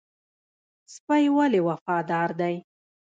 سپی ولې وفادار دی؟